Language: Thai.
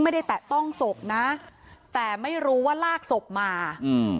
แตะต้องศพนะแต่ไม่รู้ว่าลากศพมาอืม